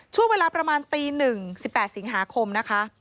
ช่วงเวลาประมาณตี๑๑๘สิงหาคมนะคะ